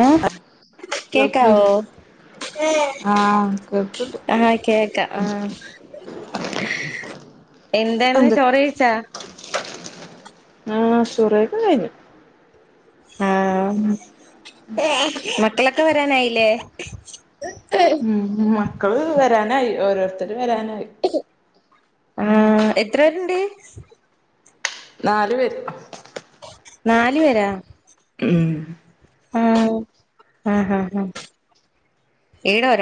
ഏ കേക്കാവ കേൾക്കുന്നില്ലേ ആഹ് കേൾക്ക്ണ്ട് ആഹ് കേക്കാം ആഹ എന്താന്ന് ചോറ് കഴിച്ചാ ആഹ ചോറയൊപ് കഴിഞ്ഞു ആഹ് ഉം മക്കളൊക്കെ വരാനായില്ലേ ഉം മക്കള് വരാനായി ഓരോരുത്തർും വരാനായി ആഹ് എത്ര [inaudible] നാലുപേര് നാല് പേരോ ഉം ആഹ ആഹ ആഹ് ആഹ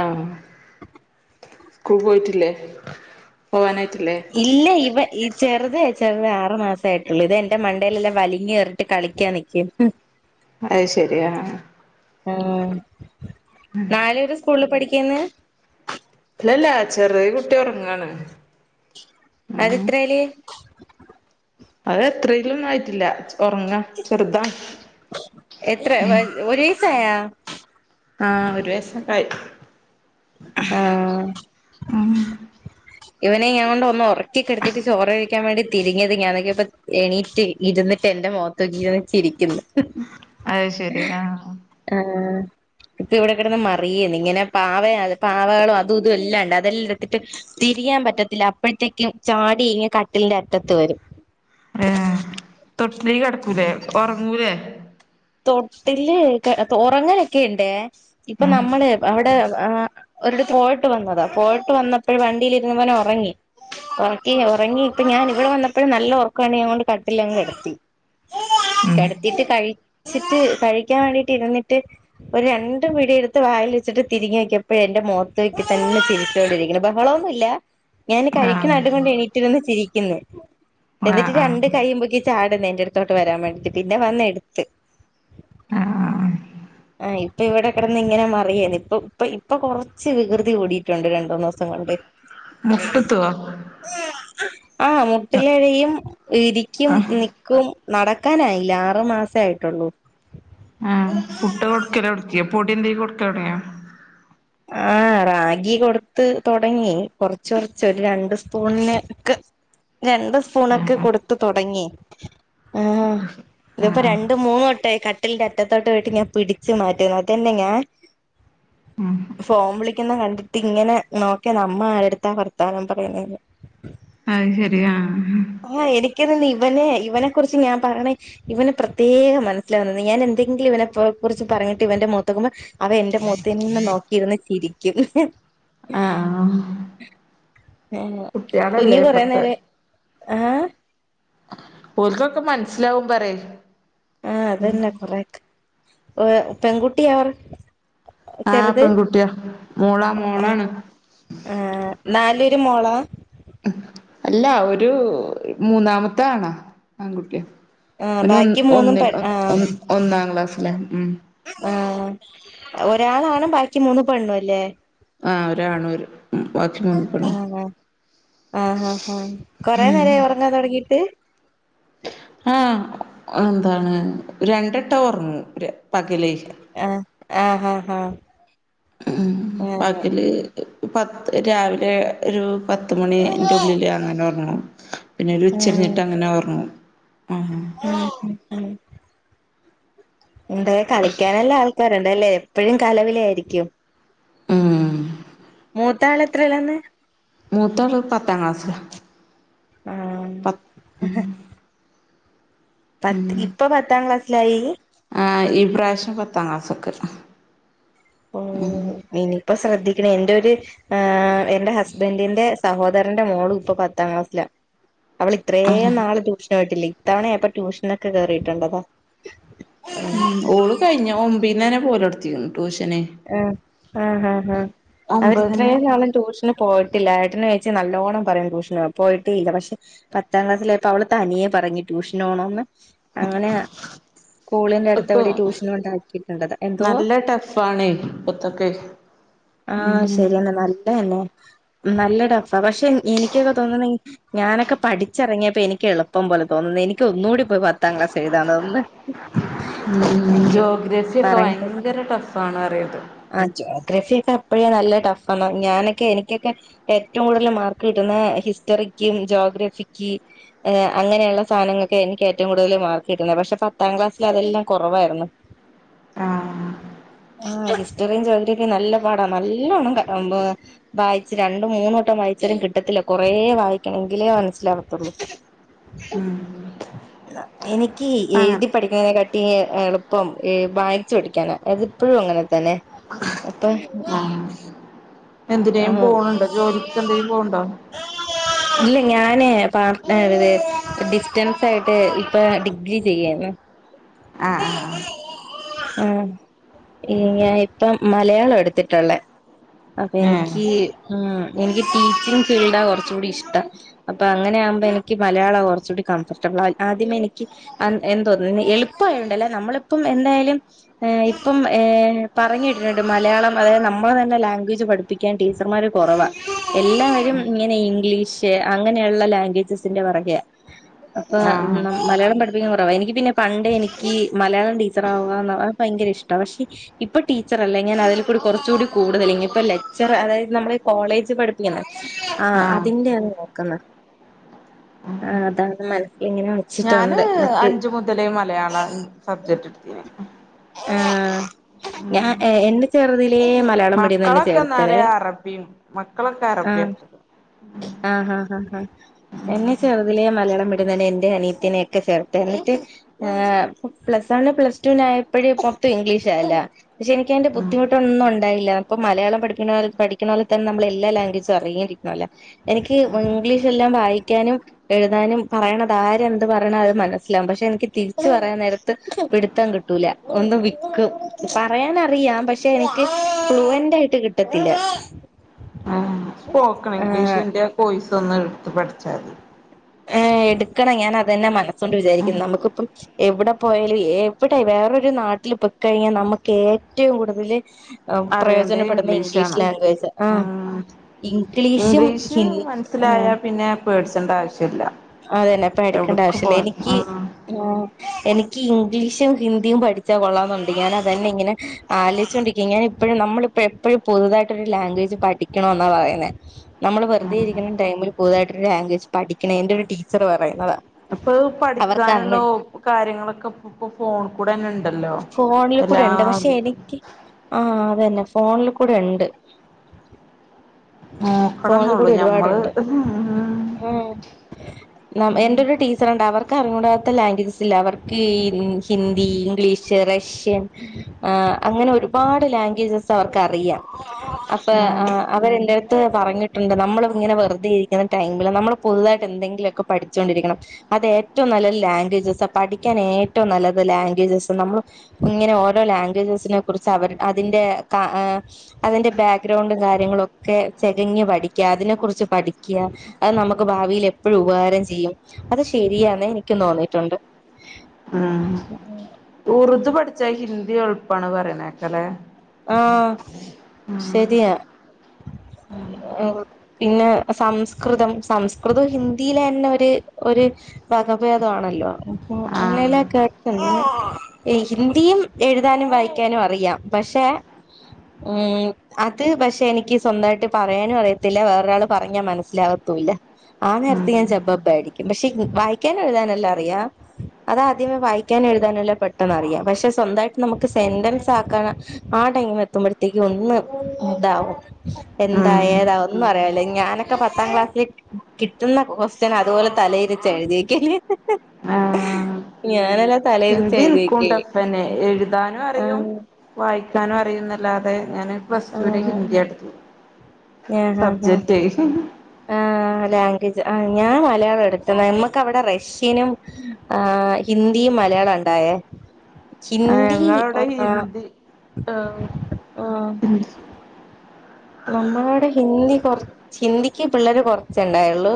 ആഹ സ്കൂൾ പോയിട്ടില്ലേ പോവാനായിട്ട ഇല്ലേ ഇവ ഈ ചെറുത ചെറുതേ ആറ് മാസ ആയിട്ടുള്ളു ഇത എൻന്റെ മണ്ടയിലെല്ലാം വലിഞ്ഞ് കയറിട്ട് കളിക്കാ നിക്കും അത് ശെരിയാ ആ ആ നാല്സ്കൂളില് പഠിക്കന്ന് ഇല്ലല്ലാ ചെറിയ കുട്ടി ഉറങ്ങാണ് അവ ഉം ര് എത്ത റേല് അത് എത്രേലുംന്നും ആയിട്ടില്ല ഉറങ്ങാ ചെറുതാണ് എത്ര ഉം ഒരിസായോ ആയ് ആം ഇവനെ ഞൻ കൊണ്ട് ഒന്ന് ഉറക്കൊെടുത്തിട്ട് ചോറ് കഴിക്കാൻ വേണ്ടി തിരിഞ്ഞത് ഞാാനൊക്ക ഇപ്പോ എണീറ്റ് ഇരുന്നട്ട്ന്നെ എന്റെ മോത്തുകീ ച്ചിരിക്കുന്നു അത് ശരി ആഹ ആഹ് ഇപ്പൊ ഇവിടെക്കടന്ന് മറിയേന്ന് ഇങ്ങനെ പാവ അ പാവകളും അതും ഇതും എല്ലാ ഉണ്ട് അതെല്ലാം എടുത്തിട്ട് തിരിയാൻ പറ്റത്തില്ല അപ്പോഴത്തേക്കും ചാടിഴ കട്ട ന്റെ അറ്റത്ത് വരും ഏ തൊട്ടിലി കിടക്കൂലേ ഉറങ്ങൂലേ തൊട്ടില് ഉറങ്ങനൊക്കെ ഉണ്ട് ഇപ്പൊ ഉം നമ്മള് അവിടെ ഒരു പോയിട്ട് വന്നതാ പോയിട്ട് വന്നപ്പോഴ വണ്ടിയിലിരുുന്നവന ഉറങ്ങി ഉറക്കി ഉറങ്ങി ഇപ്പൊ ഞാൻ ഇവിടെ വന്നപ്പോഴും നല്ല ഉറക്കാണ് ഞ കൊണ്ട് കട്ടില്ലങ്ങ് കടത്തി ഉം കിടത്തിട്ട് കഴി വച്ചിട്ട് കഴിക്കാൻ വേണ്ടിട്ട് ഇരുന്നിട്ട് ഒരു രണ്ട പിടിയെടുത്ത് വായിൽ വച്ചിട്ട് തിരിഞ് നോക്കിയപ്പോഴ എൻറെ മുഖത്ത് വെക്കി തന്നെ ചിരിച്ചോൊണ്ടിരിക്കുന്നു ബഹളമൊന്നുമ ഇല്ല ഞാൻ കഴിക്കുന്ന അടുക ആഹ് കൊണ്ട് എണീറ്റിന്ന് ചിരിക്കുന്നു ആഹ് എന്നിട്ട് ആഹ് രണ്ട് കൈ്യുപൊക്കി ചാട്ന്ന് എന്റെ അടുത്തോട്ട് വരാൻ വേണ്ടിട്ട് പിന്നെ വന്ന് എടുത്ത് ആഹ് ആഹ് ആ ഇപ്പൊ ഇവിടെ കടന്ന് ഇങ്ങനെ മറിയന്ന് ഇപ്പ ഇപ്പ ഇപ്പൊ കൊറച്ച് വികൃതി കൂടിയിട്ടുണ്ട് രണ്ട് മൂന്ന് ദിവസം കൊണ്ട് മുട്ടെത്തുവ ആ മുട്ടിലിഴയും ഇരിക്കും നിക്കും നടക്കാനായില്ല ആറു മാസെ ആയിട്ടുള്ളൂ ആഹ് ഫുഡ് കൊടുക്കല എടുക്ക പൊടി എന്തെങ്കിലും കൊടുക്കാൻ തുടങ്ങിയ ആഹ റാഗി കൊടുത്ത് തുടങ്ങി കൊറച്ച് കൊറച്ച് ഒരു രണ്ട് സ്പൂണ് ഒക്കെ രണ്ട് സ്പൂണൊക്കെ ആഹ് കൊടുത്ത് തുടങ്ങി ആഹ ആഹ് ഇതിപ്പോ ആഹ് രണ്ട് മൂന്ന് വെട്ടം ആയി കട്ടിലിന്റെ അറ്റത്തോട്ട് പോയിട്ട് ഞാൻ പിടിച്ചു മാറ്റിരുന്നു മറ്റെന്താ ഞാൻ [inaudible] ഫോൺ വിളിക്കുന്ന കണ്ടിട്ട് ഇങ്ങനെ നോക്കിയ നമ്മ ആരടുത്താ വർത്താനം പറയുന്നെ ഉ ആഹ് അത് ശരിയാ ആഹ എനിക്ക് ക്കെന്ന് ഇവന് ഇവനെക്കുറിച്ച് ഞാൻ പറണെ ഇവന് പ്രത്യേകം മനസ്സിലാവുന്ന ഞാനെന്തെങ്കിലും ഇവനെ കുറിച്ച് പറഞ്ഞിട്ട് ഇവന്റെ മുഖത്തൊക്കുമ്പോ അവൻ എന്റെ മോത്തന്നേ നോക്കിയിരുന്ന് ചിരിക്കും. ആഹ് ഏ. കുട്ടികളല്ലേ ഇപ്പത്തെ ആഹ് ഓൽക്കൊ മനസ്സിലാവും പറേ ആ അതന്നെ കൊറെക് പെൺകുട്ടിയ അവർ ആഹ് ചെറുത് പെൺകുട്ടിയാ മോളാ ആ മോളാണ് ആ നാല് മോളാ അല്ല ഒരു മൂന്നാമത്തെ ആണാ ആൺകുട്ടിയ. ആഹ് പിന്നെ ബാക്കി ഒ മൂന്നും ഒന്നി പെ ആഹ് ഒന്ന് ഒന്നാം ക്ലാസ്സില മ്. ആഹ് ഒരാളാണ് ബാക്കി മൂന്ന് പെണ്ണുല്ലേ? ആ ഒരാണ് ബാക്കി മൂന്ന് പെണ്ണ് ആഹ ആ ഹാ കൊറെ നേരായി ഒറങ്ങാൻ തുടങ്ങിട്ട്? ആ ന്താണ് രണ്ടു വെട്ടം ഉറങ്ങും പകൽ. ആഹ് ആഹ് ആഹ്. ആഹ് പകല് പത്ത് രാവിലെ ഒരു പത്തുമണി ന്റെ ഉള്ളില് അങ്ങനെ ഒറങ്ങ പിന്നെ ഒരുച്ചതിരിഞ്ഞിട്ട്ങ്ങനെ ഒർ മ്മ് ന്തേ കളിക്കാനല്ല ആൾക്കാരുണ്ടല്ലേ എപ്പഴും കലപിലായിരിക്കും. മ്. മൂത്താൾ എത്രല്ലാന്ന്? മൂത്തോന് പത്താം ക്ലാസ്സില. ആഹ് പത്ത് മ് ഇപ്പൊ പത്താം ക്ലാസ്സിലായി ഈപ്രാവശ്യം പത്താം ക്ലാസ്സൊക്കെ ഉം ഇനിപ്പ ശ്രദ്ധിക്കണന്റെ ഒര് എന്റെ ഹസ്ബന്റിന്റെ സഹോദരന്റെ മോള് ഇപ്പം പത്താം ക്ലാസ്സിലാ. അവളിത്രേ ആഹ് നാള് ട്യൂഷനൊയിട്ടില്ല ഇത്തവണയപ്പൊ ട്യൂഷനൊക്കെ കേറിട്ടണ്ടതാ. മ് ഓള് കഴിഞ്ഞ ഒമ്പീന്നന്നെ പോലേടുത്തിന്ന്. ആ ആ ആഹ് ആഹ ആഹ് ഒമ്പതിന് അവരിത്രയും നാൾ ട്യൂഷന് പോയി ട്ടില്ല ട്ടനോയ്‌ച്ച് നല്ലോണം പറയാ ട്യൂഷന്പോവ പോയിട്ടല്ല പക്ഷെ പത്താം ക്ലാസ്സിലയാപ്പോ അവൾ തനിയെ പറഞ്ഞിട്ട് ട്യൂഷനോണന്ന് അങ്ങനെ സ്കൂളിന്റെടുത്ത് ഇപ്പൊ എവിടെ ട്യൂഷൻണ്ടാക്കിട്ടുണ്ടത് എന്തോ? നല്ല ടഫാണേ ഇപ്പത്തൊക്കെ ആ ഉം ശരിയെന്ന നല്ലന്നെ. നല്ല ടഫ പക്ഷെ എനിക്കൊക്കെ തോന്നുന്ന ഞാനൊക്കെ പഠിച്ചറങ്ങിയപ്പോ എനിക്ക് എളുപ്പം പോലെ തോന്നുന്ന. എനിക്കൊന്നുകൂടിപ്പോയി പത്താം ക്ലാസ്സെഴുതാൻ തോന്ന്ന്ന്. മ് ജോഗ്രഫിക്കെ ഭയങ്കര ടഫ് ആണറി അ ചോ ഗ്രഫിക്കെ അപ്പോഴേ നല്ല ടഫ് ആണ് ഞാനൊക്കെ എനിക്കൊക്കെ ഏറ്റവും കൂടുതൽ മാർക്ക് കിട്ടുന്നേ ഹിസ്റ്ററി ക്കും ജോഗ്രഫിക്ക് ഏ് അങ്ങനെയുള്ള സാധനങ്ങക്കെ എനിക്ക് ഏറ്റവും കൂടുതൽ മാർക്ക് കിട്ടുന്നെ പക്ഷെ, പത്താം ക്ലാസ്സിലതെല്ലാം കുറവായിരുന്നു. ആഹ് [inaudible] ആ ഹിസ്റ്ററിം, ജോഗ്രഫിം നല്ല പാടാ. നല്ലോണം വായിച്ച് രണ്ടും മൂന്നുവട്ടം വായി ചാലും കിട്ടത്തില്ല. കൊറേ വായിക്കണം എങ്കിലേ മനസ്സിലാവത്തൊള്ളൂ. മ്. എനിക്ക് എഴുതി പഠിക്കുന്നതിനെക്കാട്ടി എളുപ്പം ഏ വായിച്ച് പഠിക്കാന അയത് പ്പഴും അങ്ങനെ തന്നെ അപ്പൊ എന്തിനേം ആഹ് പോണണ്ടോ ജോലിക്ക് എന്തിനേം പോവ്ണ്ടോ? [inaudible] ഇല്ല ഞാനേ പാർട്ട് ഏ ഡിസ്റ്റൻസായിട്ട് ഇപ്പൊ ഡിഗ്രി ചെയ്യാണ്. ആ ആ ആ. ആ ഞാൻ ഇപ്പം മലയാളാ എടുത്തിട്ടുള്ളേ അ ആഹ് ഏഹ് ക്ക് ഉം എനിക്ക് ടീച്ചിങ് ഫീൽഡാ കുറച്ചു കൂടി ഇഷ്ടം. അപ്പൊ അങ്ങനെ ആകുമ്പോ എനിക്ക് മലയാ ള കുറച്ചൂടി കംഫർബിളായി ആദ്യമെ എനിക്ക് എന്ത തോന്ന എളുപ്പണ്ടല്ലോ നമ്മളിപ്പം എന്നേ ലും ഏ ഇപ്പം ഏം പറഞ് കേട്ടിട്ടുണ്ട് മലയാളം അതായത് നമ്മളെ തന്നെ ലാംഗ്വേജ് പഠി പ്പിക്കാൻ ടീച്ചർമാര് കുറവാ. എല്ലാവരും ഇങ്ങനെ ഇംഗ്ലീഷ് അങ്ങനെയുള്ള ലാംഗ്വേജസിന്റെ പറയ അപ്പൊ ആഹ് മലയാളം പഠിപ്പിക്കുന്നത് കുറവാ. എനിക്ക് പിന്നെ പണ്ടേഎനിക്ക് മലയാളം ടീച്ചർ ആവാൻ ഭയങ്കര ഇഷ്ട. പക്ഷെ ഇപ്പൊ ടീച്ചറല്ല, ഞാൻ അതിൽ കൂടി കുറച്ചുകൂടി കൂടുതല് ഇനിയിപ്പോ ലക്ചർ ചെറ അതായത് നമ്മള് കോളേജ് പഠിപ്പിക്കണം, ആ ആഹ് അതിന്റെയാണ് നോക്കുന്നത്. ആ അതാണ് മൽ ഞാന് അഞ്ച് മുതലേ മലയാളാ സബ്ജക്ട് ഇടത്തീനെ ആ ഞാൻ എ എന്നെ ചെറുതിലെ മലയാളം മീഡിയം തന്നെ മക്കളൊക്കെ ചേർത്തതേ എന്നാല് അറബിയും മക്കളൊക്കെ ആ അറബിയാ എടുത്തത് ആ ഹാ ഹാ ആ എന്നെ ചെറുതിലേ മലയാളം മീഡിയം തന്നെ എന്റെ അനീത്തിനൊക്കെ ചേർത്തെ എന്നിട്ട് പ്ലസ് വൺ, പ്ലസ്റ്റുല അപ്പോഴ് മൊത്തം ഇംഗ്ലീഷാ എല്ലാം, പക്ഷെ എനിക്കതിന്റെ ബുദ്ധിമുട്ടൊന്നും ഉണ്ടാകയില്ല. അപ്പൊ മലയാളം പഠിക്ക പഠിക്ക നമ്മള് എല്ലാ ലാംഗ്വേജും അറിഞ്ഞിരിക്കണല്ലോ. എനിക്ക് ഇംഗ്ലീഷ് എല്ലാം വായിക്കാനും എഴുതാനും പറയണത് ആര്എന്ത് പറയണ അത് മനസ്സിലാകും, പക്ഷെ എനിക്ക് തിരിച്ചു പറയാൻ നേരത്ത് പിടുത്തം കിട്ടൂല. ഒന്ന് വിക്കും പറയാനറിയാം പക്ഷെ എനിക്ക് ഫ്ലുവന്റ് ആയിട്ട് കിട്ടത്തില്ല. ആ സ്പോക്കൺ ആഹ് ഇംഗ്ലീഷിന്റെ ആ കോഴ്സൊന്ന് ഇട്ത്ത് പഠിച്ചാൽ മതി ഏ എടുക്കണം ഞാൻ അതന്നെ മനസ്സൊണ്ട് വിചാരിക്കുന്നു. നമുക്കിപ്പം എവിടെ പോയാലും എവിടെ വേറൊരു നാട് ട്ടിൽ പൊക്കഴിഞ്ഞാൽ നമുക്ക് ഏറ്റവും കൂടുതൽ അറിയണ്ടേ പ്രയോജനപ്പെടുന്നത് ഇംഗ്ലീഷ് ഇംഗ്ലീഷാണ് ലാംഗ്വേജാ ആ. ഉം ഇംഗ്ലീഷും ഇംഗ്ലീഷ് ഹിന്ദ് ആ മനസ്സിലായാ പിന്നെ പേടിച്ചണ്ട ആവശ്യല്ല അതന്നെ പേടിക്കണ്ട എവിടക്ക് ആവശ്യല്ല പോവാൻ എനിക്ക് ആഹ് എനിക്ക് ഇംഗ്ലീഷും ഹിന്ദിയും പഠിച്ചാ കൊള്ളാന്നുണ്ട്. ഞാൻ അതന്നെ ഇങ്ങനെ ആലോചിച്ചോണ്ടിരിക്ക ഞാൻ എപ്പോഴും നമ്മളപ്പോ എപ്പോഴും പുതുതായിട്ടൊരു ലാംഗ്വേജ് പഠിക്കണം എന്നാപറയുന്നേ. നമ്മൾ വെറുതെ ആഹ് ഇരിക്കുന്ന ടൈ പുതുതായിട്ടൊരു ലാംഗ്വേജ് പഠിക്കണം, എന്റെ ഒരു ടീച്ചർ പറയുന്നതാ ഇപ്പൊ പഠിക്കാനുള്ള അവർക്കാണെങ്കിൽ കാര്യങ്ങളൊക്കെ ഇപ്പ ഫോൺ കൂടെന്നെണ്ട്. ഫോണിൽകൂടെയിണ്ട്, പക്ഷെ എനിക്ക് ആ അതന്നെ ഫോണിൽ കൂടെ ഉണ്ട്. നോക്കണംന്നള്ളു ഫോണികൂടി ഞമ്മള് ഒരുപാടുണ്ട് ഉം. എന്റെ ഒരു ടീച്ചറുണ്ട്, അവർക്ക് അറിഞൂടാത്ത ലാംഗ്വേജസ് ഇല്ല. അവർക്ക് ഹിന്ദി, ഇംഗ്ലീഷ് റഷ്യൻ അങ്ങനെ ഒരുപാട് ലാംഗ്വേജസ് അവർക്ക്റിയാം അപ്പ ആ അവരെ എന്റെ അടുത്ത് പറഞ്ഞിട്ടുണ്ട് നമ്മൾ ഇങ്ങനെ വെറുതെ ഇരിക്കുന്ന ടൈമിൽ നമ്മൾ പുതുതായിട്ട് എന്തെങ്കിലുമൊക്കെ പഠിച്ചുകൊണ്ടിരിക്കണം. അത് ഏറ്റവും നല്ല ലാംഗ്വേജസ് പഠിക്കാൻ ഏറ്റവും നല്ലത് ലാംഗ്വേജസ് നമ്മള് ഇങ്ങനെ ഓരോ ലാംഗ്വേജസിനെ കുറിച്ച് അവർ അതിന്റെ കാ അതിന്റെ ബാക്ക്ഗ്രൗണ്ടും കാര്യങ്ങളും ഒക്കെ ചകഞ് പഠിക്കുക അതിനെ കുുറിച്ച് പഠിക്കുക അത് നമുക്ക് ഭാവിയിൽ എപ്പോഴും ഉപകാരം ചെയ്യും. അത് ശരിയാെന്നെ എനിക്കും തോന്നിട്ടുണ്ട്. ഉം ഉറുദു പഠിച്ചാ ഹിന്ദി എളുപ്പാണ് പറയനേക്കല്ലെ. ആഹ ശരിയാ പിന്നെ സംസ്കൃതം സംസ്കൃതം ഹിന്ദിയിലെ തന്നെ ഒരു ഒര് ഭേദണല്ലോ അ അങ്ങനെല്ല ആഹ് കേട്ടെ ഹിന്ദിയും എഴുതാനും വായി കാനും അറിയാം പക്ഷെ. ഉം അനക്പക്ഷെ എനിക്ക് സ്വന്തമായിട്ട് പറയാനും അറിയത്തില്ല വേറൊരാള് പറഞ്ഞാ മനസ്സിലാകത്തു [unintelligible] ആ ഉം നേരത്ത് ഞാൻ ജബ്ബബ്ബ ആയിരിക്കും പക്ഷെ വായിക്കാനും എഴുതാനല്ലാം അറിയാം അതാദ്യമേ വായിക്കാൻ എഴതാന്ന്ളേ പെട്ടെന്നറിയ പക്ഷെ സ്വന്തായിട്ട് നമ്ക്ക് സെന്റൻസ് ആക്കാണ ആ ടൈം എത്തുമ്പോഴ്ത്തേക്കും ഒന്ന് താവും എന്താ ഉം ഏതാ ഒന്നും അറിയാൻല്ല ഞാനാ ഒക്കെ പത്താം ക്ലാസ്സില് കിട്ടുന്ന കൊസ്റ്റ്യൻ അതുപോലെ തലയിരിചെഴുതിയേക്കല്ലേ. ആഹ് ആ ഞാനലാ ഹിന്ദി ഇന്ക്കും ടഫന്നെ എഴുതാനും അറിയും ആഹ് വായി താനും അറിയുന്നല്ലാതെ ഞാന് പ്ലസ്ട്ടുന് ആഹ് ഹിന്ദിയാട്ത്തു സബ്ജെക്റ്റേ ആഹാ ആ ലാംഗ്വേജ് അ ഞാൻ മലയാളം എടുത്ത്നേ നമ്മുക്കവിടെ റഷ്യനും ആ ഹിന്ദി യ്യ് മലയാളണ്ടായേ ഹിന്ദി ഞങ്ങളവിടെ ആഹ ഹിന്ദി ആ നമ്മളാടെ ഹിന്ദി കൊറച്ച് ഹിന്ദിക്ക് പിള്ളേര് കുറച്ചുണ്ടായുള്ളു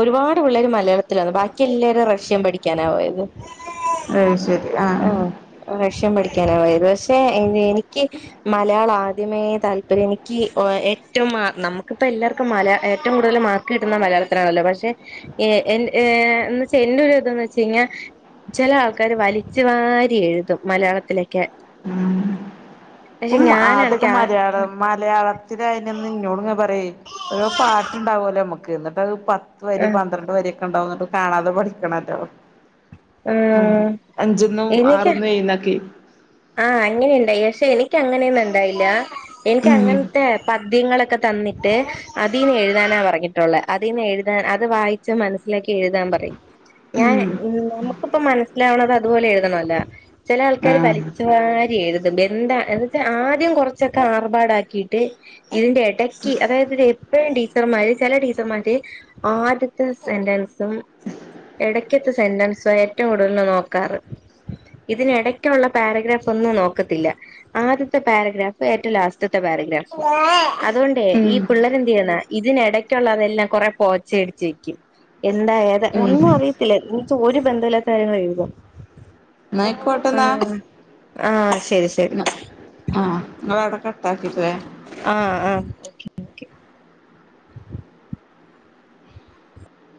ഒരുപാട് ല്ലാരും മലയാളത്തിലാന്ന് ബാക്കി എല്ലാരും റഷ്യൻ പഠിക്കാനാ പോയത് അയ്യ് ശരി ആഹ ക്ഷം പഠിക്കാനാ പോയത് പക്ഷെ എന്തു എനിക്ക് മലയാളം ആദ്യമേ താല്പര്യനി ക്ക് ഓ ഏറ്റവും മാ നമുക്കിപ്പ എല്ലാർക്കും മലയാ ഏറ്റവും കൂടുതൽ മാർക്ക് കിട്ടുന്ന മലയാളത്തിനാണല്ലോ പക്ഷെ ഏ എന്ന് എ ന്നവച്ചാ എന്റെരുത് വെച്ച കഴിഞ്ഞാൽ ചെല ആൾക്കാര് വലിച്ചു വാരി എഴുതും മലയാളത്തിലെക്കെ മ്മ് അതൊക്കെ മലയാളം മലയാള ഇതിനയാന്ന് ന്നോടിങ്ങനെ പറയെ ഓരോ പാട്ടുണ്ടാവുലോ മ്മക്ക് എന്നിട്ട് അത് പ ത്ത് വരി ആഹ് പന്ത്രണ്ട് വരിയൊക്കെ ണ്ടാവുംന്നിട്ട് കാണാതെ പഠിക്കണല്ലോ മ് ആഹ് അഞ്ച്ന്നും ആറന്നുംഎഴുന്നൊക്കെ ആ അങ്ങനെയുണ്ടായി പക്ഷെ എനിക്ക് അങ്ങനെയൊന്നുണ്ടായില്ല എനിക്ക് ഉം അങ്ങനത്തെ പദ്യങ്ങളൊക്കെ തന്നിട്ട് അതീന്ന് എഴുതാനാ പറഞ്ഞിട്ടുള്ളെ അതീന്ന് എഴുതാ അത് വായിച്ച് മനസ്സിലാക്കി എഴുതാൻ പറയും ഞാൻ ഉം മ് നമുക്കിപ്പ മനസ്സിലാവണത് അതുപോലെ എഴുതണല്ലോ ചില ആൾക്കാര് വലി ആഹ് ച്ച് വാരിയെഴു ബെന്ത എന്നിട്ട് ആദ്യം കുറച്ചൊക്കെ ആർഭാടാക്കിയിട്ട് ഇതിന്റെ എടക്ക് അതായത് രെ പ്പഴും ടീച്ചർമാര് ചില ടീച്ചർമാര് ആദ്യത്തെ സെന്റൻസും ഇടയ്ക്കത്തെ സെന്റൻസ ഏറ്റവും കൂടുതല് നോക്കാറ് ഇതിനിടയ്ക്കുള്ള പാരഗ്രാഫ്ഒന്നും നോക്കത്തില്ല. ആദ്യത്തെ പാരഗ്രാഫ് ഏറ്റവും ലാസ്റ്റ്ത്തെ പാരഗ്രാഫ് അതുണ്ടേ ഈ ഉം പിള്ളരെ എന്ത് ചെയ്യുന്നാ ഇതിനിടയ്ക്കുള്ളതെല്ലാം കൊറെ പോച്ചയടിച്ച് വെക്കും. എന്താഏതാ ഉം ഒന്നും അറിയത്തില്ല ന്ന്ച്ച ഒരു ബന്ധമില്ലാത്ത കാര്യങ്ങളാ എഴുതാ ന്നയിക്കോട്ടന്നാ ആഹ ശരി ശരി ആഹ് നിങ്ങളവിടെ കട്ടാക്കിട്ടേ ആഹ ആഹ ഓക്കെ ഓക്കെ